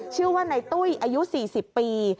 ชื่อว่าในตุ้ยอายุ๔๐ปี